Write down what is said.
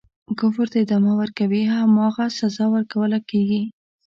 کفر ته ادامه ورکوي هماغه سزا ورکوله کیږي.